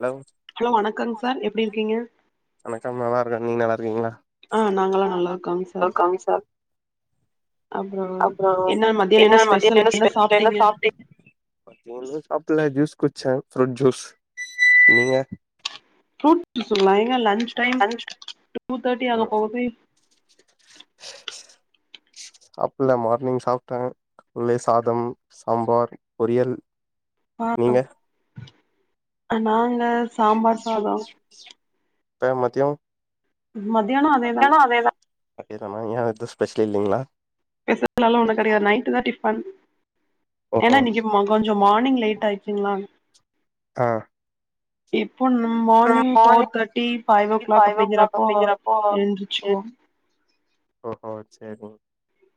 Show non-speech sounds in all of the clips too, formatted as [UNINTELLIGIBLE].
Hello hello வணக்கங்க் sir எப்டி இருக்கீங்க வணக்கம் நா நல்லாருக்கே நீ நல்லா இருக்கீங்களா ஆ நாங்கல்லா நல்லா இருக்கோங் சார் அப்றோ அப்புறோ என்ன மதியானோ என்ன மதியம் ஸ்பெஷல் என்ன ஸ்பெஷல் என்ன சாப்ட்டீங்க சாப்டிங்க ஒரு அளவு சாப்பல்ல ஜூஸ் குடிச்சே ஃப்ரூட் ஜூஸ் நீங்க ஃப்ருட் ஜுஸுங்கலா எங்க லஞ்ச் டைம் லன்ச் டூதேர்ட்டி ஆக இன்னு போகுது சாப்பல்ல மார்னிங் சாப்பிட்டே வெள்ளை சாதம் சாம்பார் பொரியல் நீங்க நா என்ன இப்ப மதியோ மதியானே மதியானே அதே தா அதே தானா ஏ எதும் ஸ்பெஷல் இல்லைங்களா ஸ்பெஷல் எல்லா ஒண்ணு கெடையாது நைட்டு தா டிபன் ஓஹோ ஏனா இன்னைக்கு ஆமா கொஞ்சோ மார்னிங் லேட் ஆயிருக்குங்களா ஆ இப்போ morning four thirty five o'clock அப்டிங்கிறப்போ என்திச்சுக்குவோ ஓ ஓ சேரிங்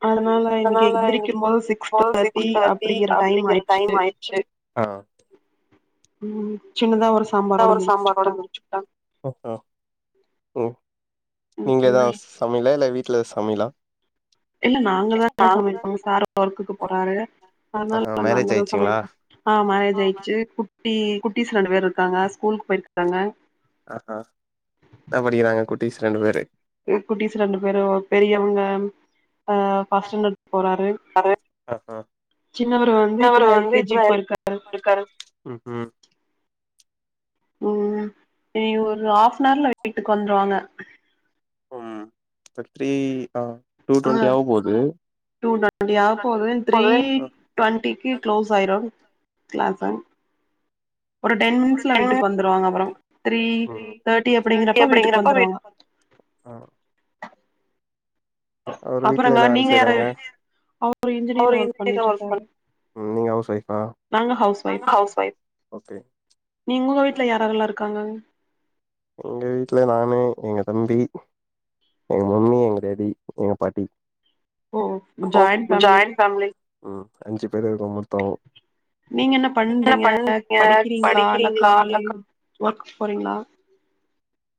அதனால இன்னைக்கு அதனால இன்னைக்கு எந்திரிக்கும் போது six [UNINTELLIGIBLE] thirty six thirty time அப்டிங்கிற ஆயிடுச்சு டைம் ஆயிச்சு ஆ ம் சின்னதா ஒரு இப்போ சாம்பாரோட ஒரு முடிச்சுக்கிட்டே சாம்பார்ரோட முடிச்சுட்டா ஓ ஓ ம் ம் நீங்கதா சமையலா இல்ல வீட்ல சமையலா இல்ல நாங்கதா இல்ல நாங்கதா சமைப்போங்க சமைப்போ சார் ஒர்க்குக்கு போறாரு ஆஹா அதனால மேரேஜ் நாங்கதா ஆயிடுச்சுங்களா சமைப்போ. ஆ மேரேஜ் ஆமா ஆயிடுச்சு குட்டி குட்டிஸ் ரெண்டு பேர் இருக்காங்க ஸ்கூலுக்கு போயிடு இருக்காங்க. ஆ ஆ என்ன படிக்குறாங்க குட்டிஸ் ரெண்டு பேரு குட்டிஸ் ரெண்டு பேரு பெரியவங்க அ ஃபஸ்ட் ஸ்டாண்டர் போறாரு சின்னவரு வந்து இன்னவரு இப்பதா எல் வந்து கே ஜி இப்பதா வேலைக்கு போயிருக்கா போயிட்டு வந்து இருக்காரு ம் இனி ஒரு ஹாஃப்னவர்ல வீட்டுக்கு வந்துருவாங்க. ம் எப்டி ஆ டூ டுவண்டி ஆக போது த்ரீ ஒரு டொண்ட்டிக்கு க்ளோஸ் ஆயிரு கிளாஸ்சு ஒரு டென் மினிட்ஸ்ல வீட்டுக்கு வந்துடுவாங்க அப்புறோ த்ரீ தேர்ட்டி அப்டிங்கிறப்ப வீட்டுக்கு வந்துடுவாங்க. ஆ அவரு வீட்டுல அப்புறங்க என்ன வேல நீங்க யாரு செய்றாங்க அவரு இன்ஜினியரா இஞ்சினியரா பண்ணிட்டு ஒர்க் இருக்காரு பண் நீங்க ஹவுஸ் ஒய்ஃவா நாங்க ஹவுஸ் ஒய்ஃப் நீங் உங்க வீட்ல யாரு யாரல்லா இருக்காங்க? எங்க வீட்டுல நானு, எங்க தம்பி எங்க மம்மி, எங்க டாடி, எங்க பாட்டி. ஓ ஓ ஜாயின் ஃபேமிலி ம் அஞ்சு பேரு இருக்கோ மொத்தோ நீங்க என்ன பண்றீங்க படிக்கிறீங்களா? இல்ல காலேஜ் ஒர்க் போறீங்களா?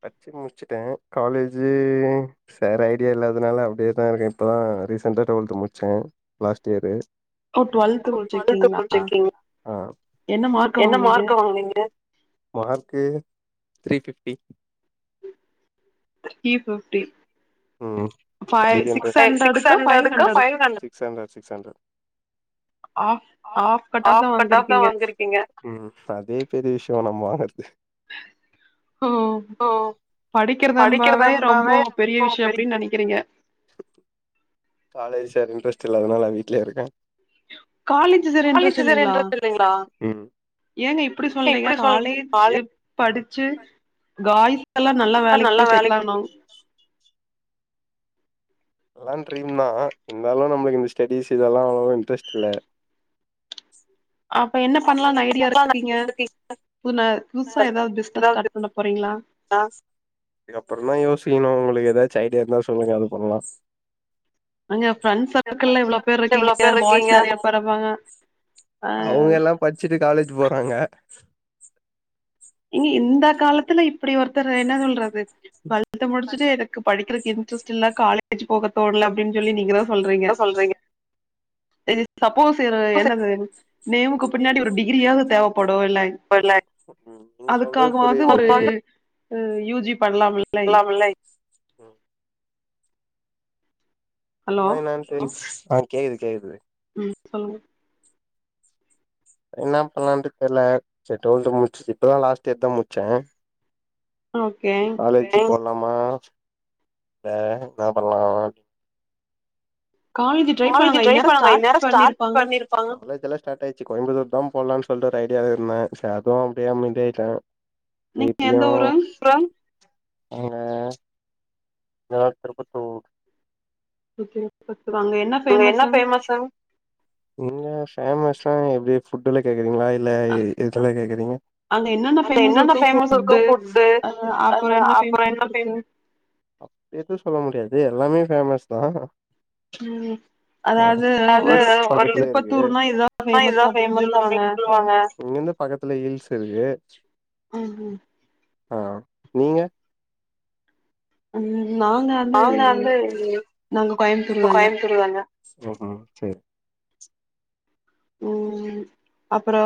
படிச்சு முடிச்சுட்டே காலேஜ்ஜு சேர ஐடியா இல்லாதனால அப்டியே தா இருக்கே இப்போ தா ரீசெண்ட்டா டுவெல்த் முடிச்சே லாஸ்ட் இயரு ஓ டுவெல்த் டுவல்த்து முடிச்சிருக்கீங்களா முடிச்சிருக்கீங்க ஆ மார்க் என்ன வாங்குனீங்க மார்க் வாங்கினிங்க? Mark three fifty. Three fifty உம் சிக்ஸ் ஃபைவ் ஹன்ரட்க்கு hundred five hundred six hundred six hundred off off cut off off cutoff தா வாங்கிருக்கீங்க வந்துருக்கீங்க. உம் அதே பெரிய விஷ்யொ நம்ம வரது உம் படிக்கிறதன்ராவே ரொம்ப பெரிய விஷ்யொ அப்டின்னு நெனக்கிறீங்க காலேஜ் சேர இன்ரெஸ்ட் இல்லாதனால வீட்லயே இருக்க காலேஜ் சரி காலேஜ் இன்ட்ரெஸ்ட் சேர இல்லைங்களா இன்ரஸ்ட் இல்லேங்ளா ஏங்க இப்டி சொல்றீங்க காலேஜ் படிச்சு வாழ்கைல நல்லா படிச்சா வேலக்கி நல்ல போய் வேலைக்கு செட்லானாலு எல்லா டரீம் தா இருந்தாலு நம்மளுக்கு இந்த ஸ்டடீஸ் இதெல்லா அவ்ளவா இன்ட்ரெஸ்ட் இல்ல. அப்ப என்ன பண்லான்னு என்ன ஐடியால பண்ணலானு இருக்கீங்க ஐடியா புதுசா ஏதாது பிஸ்னஸ் ஸ்டார்ட் பண்ண போறீங்ளா காஸ் இதப்ரந்தா யோசிக்கணு உங்களுக்கு ஏதாச்சு ஐடியா இருந்தா சொல்லுங்க அது பண்ணலா அங்க ஃப்ரெண்ட் சர்க்கிள்ல இவ்ளோ பேர் எவ்ளோ ருக்கீங்க பேர் பாய்ஸ் இருக்கீங்க நெறைய பேர் ருப்பாங்க ஆ பட்ச்சுட்டு காலேஜ் போறாங்க இங்க இந்த காலத்துல இப்படி ஒருத்தர் என்ன சொல்றது டுவல்த் முடிச்சுட்டு படிக்கறக்கு இன்ட்ரெஸ்ட் இல்ல காலேஜ் போகத்தோணல அப்டின்னு சொல்லி நீங்க தா சொல்றீங்க இது சப்போஸ் என்னது நேமுக்கு பின்னாடி ஒரு டிகிரியாவது தேவப்படுல்ல. டுவல்லாக் ம் ம் அதுக்காகவது ஒரு யூஜி பண்ணலாம்ல்லா புல்லைஸ் ஹலோ மைனஸ் எஸ் கேக்குது கேக்குது ம் சொல்லுங்க என்ன பண்லான்ட்டு தெர்ல சே டூவல்து முடிச்சு இப்பதா லாஸ்ட் இயர் தா முடிச்சே ஓகே பொன்னம்மா வேற என்ன பண்லா காலேஜ் ட்ரை கலேஜ் ட்ரைப் இந்நேரோ பண்ணுங்க ஸ்டார்ட் இன்நேர ஸ்டாட் பண்ணிருப்பாங்க பண்ணிருப் காலேஜ் எல்ல ஸ்டார்ட் ஆயிச்சு கோயம்புத்தூர் தா போலான் சொல்ட்டு ஒரு ஐடியால இருந்தே சே அதுவு அப்டியெ அமைதியாய்ட்டே நீங்க வீட்லையு எந்த ஊரு அப்றொம் என்ன நா திருபத்தூர் ஓகே பத்து அங்க என்னப் அங்க என்ன ஃபேமஸ்ஸு இங்க பேமஸ்ன எப்டி புட்டுல்ல கேக்குரிங்ளா இல்ல எதுகெல்ல கேக்குறீங்க அங்க என்னென்ன அங்க ஃபேமஸ் என்னென்ன இருக்கு ஃபேமஸ் இருக்கு ஃபுட்டு புட்டு அ அப்புறம் என்ன அப்றொ என்ன இருக்கு ஃபேமஸ் அப்டியெது சொல்ல முடியாது எல்லாமே ஃபேமஸ் தா ம் ஆ அதாவது அது ஒரு [INAUDIBLE] இருக்கு திருப்பத்தூர்னா இதுதான் ஃபேமஸ் இதா அப்டின்னு ஃபேமஸ்‌ சொல்லுவாங்க அப்டின் சொல்வாங்க இங்கென்ன பக்கத்துல ஹில்ஸ் இருக்கு ம் ம் ஆ நீங்க ம் நாங்க நாங்க வந்து நாங்க கோயம்புத்தூர் தாங்க கோயம்புத்தூர்தாங்க ம் அப்பறோ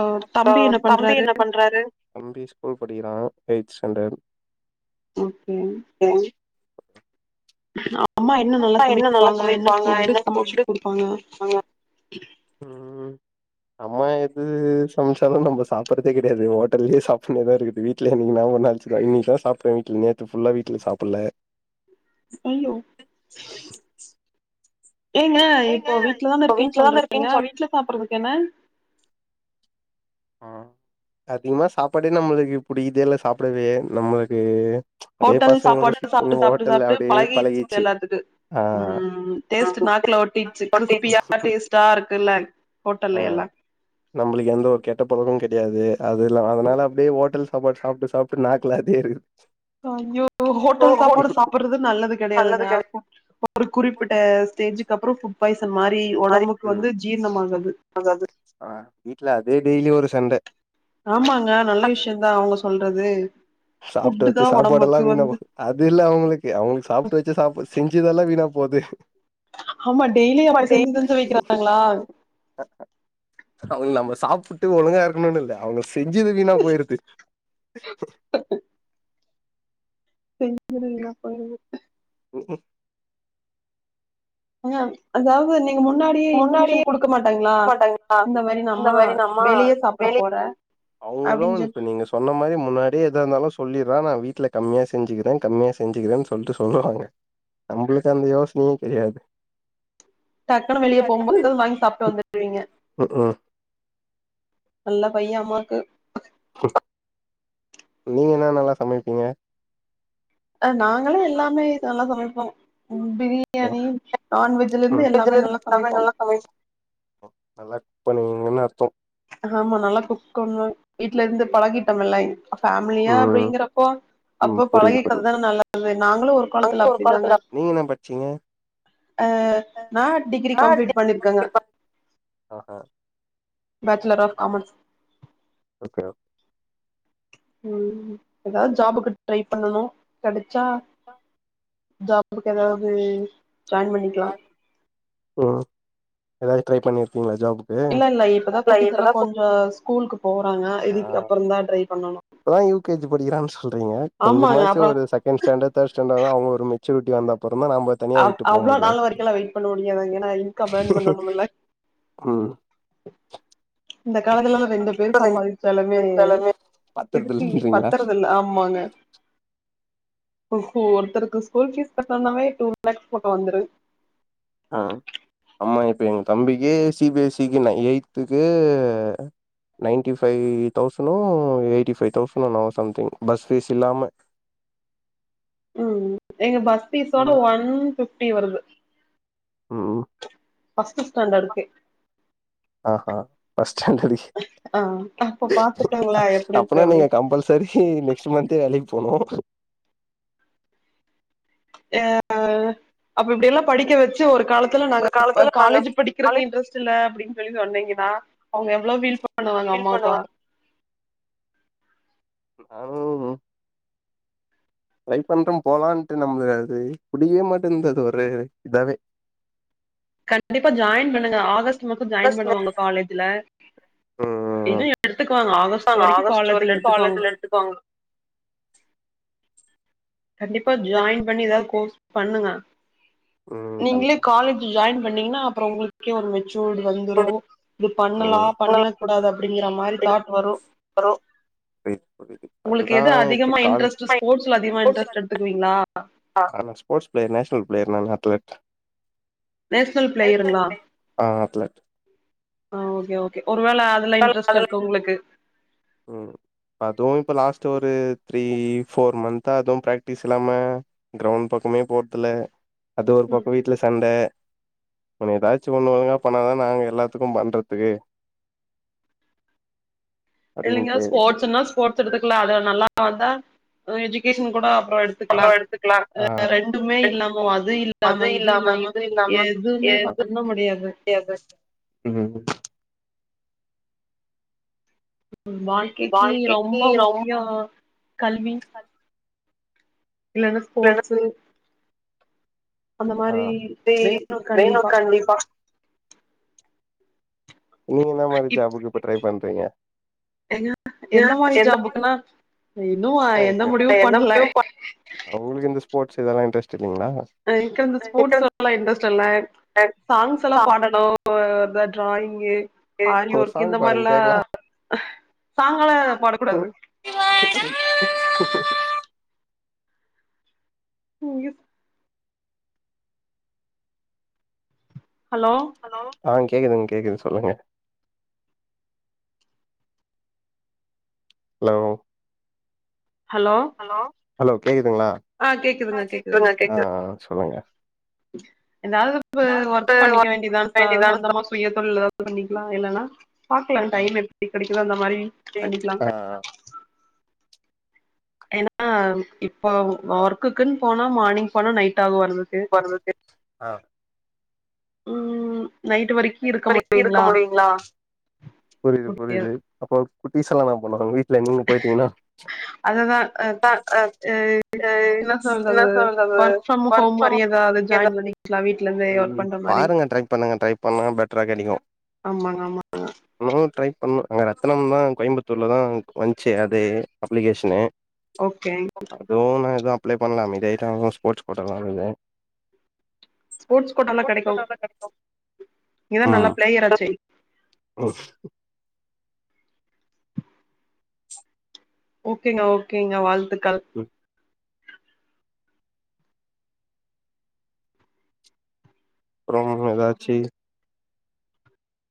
தம்பி ஸ்கூல் படிக்கிறா எய்த் ஸ்டாண்டட் ஓகே [UNINTELLIGIBLE] அம்மா என்ன நல்லா அப்பா என்ன நல்லா சமைப்பாங்க என்ன ஃபுட்டு சமச்சு ஃபுட்டு கொடுப்பாங்க ம் அம்மா எது சமைச்சாலு நம்ப சாப்புறதே கெடையாது ஹோட்டல்லயே சாப்டுனேதா இருக்குது வீ ட்ல இனைக்கு தாங்க ஒரு நாள் வெச்சுக்க இன்னிக்குதா சாப்டே வீட்ல நேத்து ஃபுல்லா வீட்ல சாப்புட்ல ஐயோ ஏங்க ஏங்க இப்போ வீட்லதானே இப்ப இருக்கேன் வீட்லதான சொல்றீங்க இருக்கேன்னு சொல் வீட்ல சாப்புறதுக்கு என்ன ஆ அதிகமா சாப்பாடே நம்மளுக்கு புடிக்குதே இல்ல சாப்டவே நம்மளுக்கு அப்டியே ஹோட்டல் பசங்களோட சாப்பாடு சுத்தினு சாப்ட்டு சாப்ட்டு ஹோட்டல்ல சாப்ட்டு அப்டியே பழகிடுச்சு பழகிச்சு எல்லாத்துக்கு ஆ ம் டேஸ்ட்டு நாக்ல ஒட்டிச்சு கிறிஸ்பியா டேஸ்ட்டா இருக்குல்ல ஹோட்டல்ல எல்லா நம்பளுக்கு எந்த ஒரு கெ ட்ட பழகமு கெடையாது அதுலா அதுனால அப்டியே ஹோட்டல் சாப்பாட்டு சாப்ட்டு சாப்ட்டு நாக்லா அதே இருக்கு ஐயோ ஹோட்டல் சாப்பாடு சாப்புடுறது நல்லது நல்லது கெடையாதுங்க கெடை ஒரு குறிப்பிட்ட ஸ்டேஜீக்கு அப்புறொ ஃபுட் பாய்சன் மாரி ஒடம்புக்கு வந்து ஜீரணம் ஆகாது ஆ‌காது ஆ வீட்ல அதே டெய்லி ஒரு சண்டே ஆமாங்க நல்ல விஷயொதா அவங்க சொல்றது சாப்ட்டு ஃபுட்டு வெச்ச தா சாப்பாட்டு எல்லா ஒடம்புக்கு வீணா போ வந்து அது இல்ல அவுங்ளுக்கு அவுங்க சாப்ட்டு வெச்ச சாப் செஞ்சதெல்லா வீணா போது ஆமா டெய்லி அப்போ செஞ்சு செஞ்சி வைக்கிறாங்ளா அவுங்ககு நம்ம சாப்புட்டு ஒழுங்கா இருக்கணுனு இல்ல அவுங்க செஞ்சது வீணா போயிருது [UNINTELLIGIBLE] [UNINTELLIGIBLE] செஞ்சது வீணா போய்டுது ம் ம் ஆ அதாவது நே இ முன்னாடியே இன்ஃபர்மேஷன் முன்னாடியே குடுக்க மாட்டாங்ளா மாட்டாங்களா இந்த மாரி நா இந்த ம்மா வெளியே சாப்ட போறே அவுங்கதா அப்டின்னு வந்து சொல்லி இப்ப நீங்க ச் சொன்ன மாரி முன்னாடியே ஏதா இருந்தாலு சொல்லிறா நா வீட்ல கம்மியா செஞ்சுகிறே கம்மியா செஞ்சுகிறேன்னு சொல்ட்டு சொல்லுவாங்க நம்ளுக்கு அந்த யோசனயு கெடையாது டக்குன்னு வெளிய போம்போது எதாது வாங்கி சாப்ட்டு வந்துடுவீங்க ம் ம் நல்ல பைய அம்மாக்கு நீங்க என்ன நல்லா சமைப்பீங்க அ நாங்கலா எல்லாமே நல்லா சமைப்போ பிரி ம் யாணி நான்வெஜ்ல ம். இருந்து எல்லாமே நல்லா சமைப்போ நல்லா பண்ணுவீங்கன்னு அர்த்தொ ஆமா நல்லா குக் பண்வ வீட்ல இருந்து பழகிட்டோமில்லை ஃபேமிலியா ம் அப்டிங்கறப்போ ம் அப்போ புரியுது புரியுது பழகிக்கிறதானே நல்லது நாங்களு ஒரு காலத்துல அப்டிதாங்க நீங்க என்ன படிச்சீங்க ஆ நா டிகிரி கம்ளீட் பண்ணிருக்கங்க ஆஹா bachelor of commerce okay okay ம் எதா ஜாபுக்கு ட்ரை பண்ணனு கெடச்சா ஜாபுக்கு எதாவ்து ஜாயின் பண்ணிக்லா ம் எதாது ட்ரை பண்ணிர்க்கீங்ளா ஜாபு இல்லெல்ல இப்பதா குட்டிஸெல்லா கொஞ்சொ ஸ்கூல்க்கு போறாங்க ஆ இதுக்கு அப்பறந்தா ட்ரை பண்ணனு இப்பதா யூ கே ஜி படிக்கிறான் சொல்றீங்க ஆமாங்க கொஞ்சமாச்சு அப்புறோ ஒரு சக் கென்ட் ஸ்டான்டட் தேர்ட் ஸ்டான்டட்தா அவுங்க ஒரு மெச்சூரிட்டி வந்த அப்பறந்தா நம்ப அவ் அவ்ளொ நாள் வரைக்குலா வெயிட் பண்ண முடியாது‌ங்க எனா இன்கம் ஏர்ன்‌ பண்ணனுமில்ல ம் இந்த காலத்துலல்லா ரெண்டு பேரு சம்பாருச்சாலுமே இதுக்கு இ பத்தரதுலன்றீங்களா பத்துறதில்ல ஆமாங்க ஒருத்தருக்கு ஸ்கூல் ஃபீஸ் கட்டன்னாவே டூ லேக்ஸ் பக்கொ வந்துரு ஆ அம்மா இப்ப எங்க தம்பிக்கு சி பி எஸ் சிக்கு ந எயிட்த்துக்கு நைன்ட்டி ஃபை தௌசனோ எயிட்டி ஃபை தௌசனோ என்னவோ சம்திங் பஸ் ஃபீஸ் இல்லாம ம் இங்க பஸ் ஃபீஸோட ஒன் ஃபிஃப்டி வருது ம் ஃபஸ்ட்டு ஸ்டாண்டடுக்கே ஆஹா ஃபஸ்ட் ஸ்டான்டடுக்கே ஆ அப்ப பாத்துக்கங்ளே எப்டிருக்கு அப்டி சரி நெக்ஸ்ட்டு மந்த்தே வேலைக் போனு ஏ அ அப்ப இப்டியெல்லா படிக்க வச் சு ஒரு காலத்துல நாங்க ஒரு காலத்துல நாங்க காலேஜ் படிக்கிறக்கு காலேஜ் இன்ட்ரெஸ்ட் இல்ல அப்டின் சொல்லி சொன்னீங்கனா அவுங்க எவ்ளோ ஃபீல் பண்ணுவாங்க ஃபீல் அம்மா அப்பா பண்ணுவோ அதூது ட்ரை பண்ட்டும் போலான்ட்டு நம்ளுகது புடிக்கவே மாட்டேந்து அது ஒரு இதாவே கண்டிப்பா ஜாயின் பண்ணுங்க ஆகஸ்ட்டு மாசொ ஜாயின் ஆகஸ்ட் பண்ணுங்க மந்த் ஒங்க காலேஜுல இன்னு எடுத்துப்பாங்க எடுத்துக்குவாங்க ஆகஸ்ட் வரைக்கு காலேஜுல எடுத்துக்குவாங்க துக்வாங்க கண்டிப்பா ஜாயின் பண்ணி எதா கோர்ஸ் பண்ணுங்க ம் பண்ற நீங்ளே காலேஜ் ஜாயின் பண்ணீங்கனா அப்றோ உங்களுக்கே ஒரு மெச்சூடு வந்துரு இது பண்ணலா ம் பண்ணக்கூடாது அப் டிங்கிற மாரி புரியுது தாட் வரு புரியுது உங்களுக்கு அதுதா எது இப்ப அதிகமா கால் இன்ட்ரெஸ்ட்டு ஸ்போட்ஸ்ல அதிகமா இன்ட்ரெஸ்ட் எடுத்துக்குவீங்ளா? ஆ நா ஸ்போர்ட்ஸ் பிளேயர் நேஷ்னல் பிளயர் நான் அத்தலட் நேஷ்னல் பிளேயருங்ளா? ஆ அத்லெட் ஆ ஓகே ஓகே ஒரு வேள அதுல இன்ட்ரெஸ்ட் இருக்கு உங்ளுக்கு ம் அதுவு இப்ப லாஸ்ட்டு ஒரு த்ரீ ஃபோர் மந்த்தா அதுவு ப்ராக்டிஸ் இல்லாம கிரௌண்ட் பக்கமே போற்துல அது ஒரு பக்கொ வீட்ல சண்ட உன எதாச்சு ஒன்னு ஒழுங்கா பண்ணாதா நாங்க எல்லாத்துக்கு பண்றத்துகு இல்லங்க அப்டின்ட்டு ஸ்போர்ட்ஸுன்னா ஸ்போர்ட்ஸ் எடுத்துக்லா அது நல்லா வந்தா எஜுகேஷன் கூட அப்றோ எடு த்துக்லா அப்றோ எடுத்துக்கலா ஆ ரெண்டுமே இல்லாம அது அது இல்லாம இது இல்லாம இல்லாம எதுவ்மே ப எது பண்ண முடியாது ம் ம் வாழ்க்கைக்கி ரொம்ப முக்கியோ கல்வி இல்லனா ஸ்போர்ட்ஸு அந்த மாரி தே வேணு கண்டிப்பா நீ என்ன மாரி ஜாபுக்கு இப்ப ட்ரை பண்றீங்க? ஏங்க எந்த மாரி ஜாபுக்குன்னா இன்னு எந்த முடிவு பண்ல அவங்களுக்கு இந்த ஸ்போர்ட்ஸ் இதெல்லா இன்டரெஸ்ட் இல்லைங்ளா எனக்கு அந்த ஸ்போர்ட்ஸ் அவ்ளவா இன்ட்ரெஸ்ட் இல்ல சாங்ஸ் எல்லா பாடணு போ இந்த டிராயிங்கு ஆரி ஒரு ஒர்க் சாங் இந்த பாடுங்க மாரிலா கேக்கலா சாங்கெலா பாடக்கூடாது ஒயோ ஹலோ ஹலோ ஆ கேக்குதுங்க கேக்குது சொல்லுங்க ஹலோ ஹலோ ஹலோ கேக்குதுங்ளா ஆ கேக்குதுங்க ஆ சொல்லுங்க ம் ஏதாவ்து இப்ப ஒர்க் பண்ணிக்க வேண்டியதா சார் வேண்டியதான சொந்தமா சுயதொழில் ஏதாவ்து பண்ணிக்குலா இல்லன்னா பாக்கலா ம் டைம் எப்டி கெடைக்குதோ அந்த மாரி பண்ணிக்லா ஆ ஏனா இப்போ ஆ ஒர்க்குக்குன் போனா மார்னிங் போனா நைட் ஆகு வர்றது போறதுக்கு ம் நைட்டு வரைக் புரிது முடியாது புரிது அப்ப குட்டீஸெல்லா என்னா பண்றது இல்ல நீங்க போயிட்டிங்னா அததா அ ஆ ஆ அ என்ன சொல்றது ஒர்க் ஒர்க் ஃப்ரம் மாரி ஹோம் ஏதாவது ஜாயின் பண்ணிக்கலா வீட்ல இருந்தே ஒர்க் ம் பண்ற மாரி பாருங்க ட்ரை பண்ணுங்க ட்ரை பண் ணா பெட்டரா கெடைக்கு ஆமாங்க ஆமா இன்னு ட்ரை பண்ணு அங்க ரத்தனம் தா கோயம்புத்தூர்ல தா வந்ச்சு அது அப்ளிகேஷனு ஓகே அதுவு நா எதுவு அப்ளை பண்ல அமைதியாய்ட்டே ஸ்போர்ட்ஸ் கோட்டாலா இருக்குது ஸ்போர்ட்ஸ் கோட்டால கெடைக்கு ம் நீங்க தா நல்ல பிளேயராச்சே ரோஸ் ஓகேங்க ஓகேங்க வாழ்த்துக்கள் ம் அப்றோம் எதாச்சி